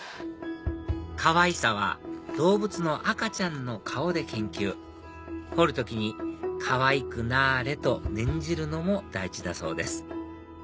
かわいさは動物の赤ちゃんの顔で研究彫る時にかわいくなれ！と念じるのも大事だそうです